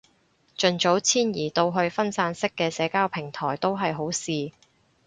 盡早遷移到去分散式嘅社交平台都係好事